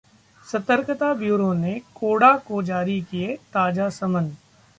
सतर्कता ब्यूरो ने कोड़ा को जारी किये ताजा समन